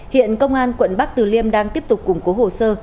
hiện công an quận bắc từ liêm đang tiếp tục củng cố hồ sơ